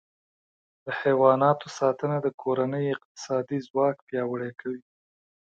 د حیواناتو ساتنه د کورنۍ اقتصادي ځواک پیاوړی کوي.